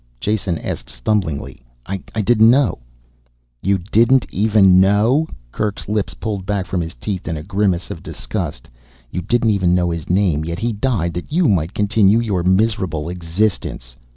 Jason asked stumblingly. "I didn't know " "You didn't even know." Kerk's lips pulled back from his teeth in a grimace of disgust. "You didn't even know his name yet he died that you might continue your miserable existence."